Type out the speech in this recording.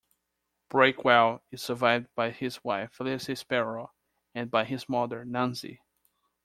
Breakwell is survived by his wife Felicity Sparrow, and by his mother Nancy.